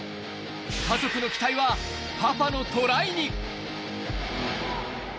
家族の期待はパパのトライに。